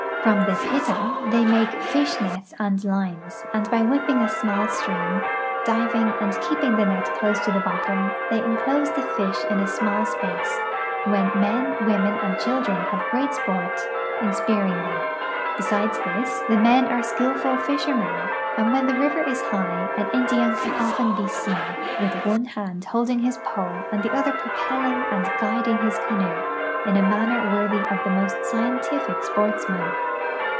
From the " pita '' they make fish nets and lines, and by whipping a small stream, diving, and keeping the net close to the bottom they inclose the fish in a small space, when men, women, and children have great sjjort in spearing them. Besides this, the men are skillful fisher men, and when the river is high an Indian can often be seen, with one hand holding his pole and the other propelling and guiding his canoe in a manner worthy of the most scientific sportsman.